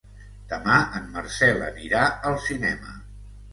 Demà en Marcel anirà al cinema.